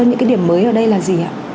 những điểm mới ở đây là gì